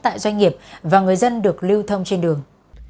tại doanh nghiệp và người dân được lưu thông trên đường